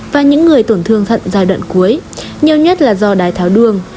và những người tổn thương thận giai đoạn cuối nhiều nhất là do đái tháo đường